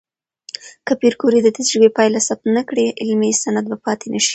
که پېیر کوري د تجربې پایله ثبت نه کړي، علمي سند به پاتې نشي.